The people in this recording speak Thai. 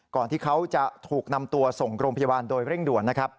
ก่อนที่เขาจะถูกนำตัวส่งโรงพยาบาลโดยเร่งด่วน